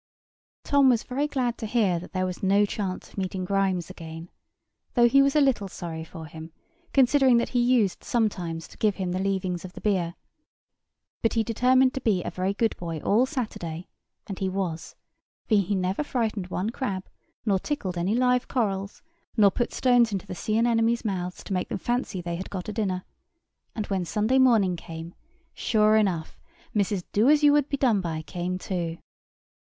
Tom was very glad to hear that there was no chance of meeting Grimes again, though he was a little sorry for him, considering that he used sometimes to give him the leavings of the beer: but he determined to be a very good boy all Saturday; and he was; for he never frightened one crab, nor tickled any live corals, nor put stones into the sea anemones' mouths, to make them fancy they had got a dinner; and when Sunday morning came, sure enough, MRS. DOASYOUWOULDBEDONEBY came too.